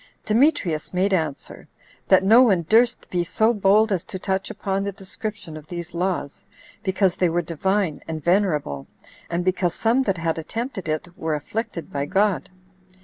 Demetrius made answer, "that no one durst be so bold as to touch upon the description of these laws, because they were Divine and venerable, and because some that had attempted it were afflicted by God."